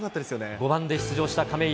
５番で出場した亀井。